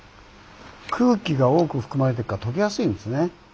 空気が多く含まれてるからとけやすいんですね。